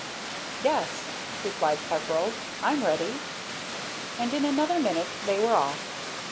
"Yes," replied Peveril, "I'm ready," and in another minute they were off.